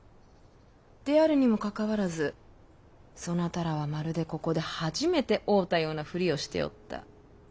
であるにもかかわらずそなたらはまるでここで初めて会うたようなふりをしておった。